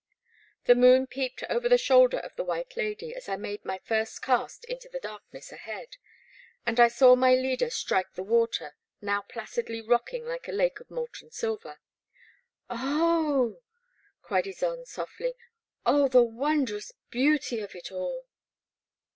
The moon peeped over the shoulder of the White Lady as I made my first cast into the dark ness ahead, and I saw my leader strike the water, now placidly rocking like a lake of molten silver. '* Oh h !" cried Ysonde, softly, " oh, the won drous beauty of it all."